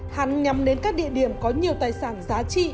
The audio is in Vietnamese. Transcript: hắn nhắm đến các địa điểm có nhiều tài sản giá trị